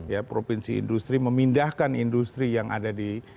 ya provinsi industri memindahkan industri yang ada di